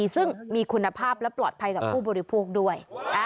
ซึ่งมีคุณภาพและปลอดภัยต่อผู้บริโภคด้วย